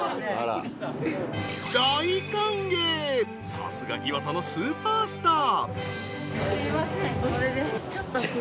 ［さすが磐田のスーパースター］